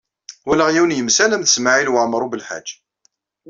Walaɣ yiwen yemsalam d Smawil Waɛmaṛ U Belḥaǧ.